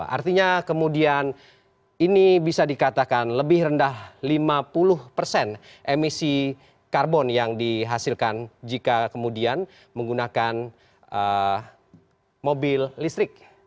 artinya kemudian ini bisa dikatakan lebih rendah lima puluh persen emisi karbon yang dihasilkan jika kemudian menggunakan mobil listrik